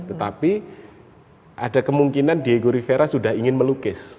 tetapi ada kemungkinan diego rivera sudah ingin melukis